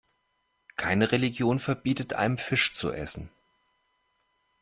Keine Religion verbietet einem, Fisch zu essen.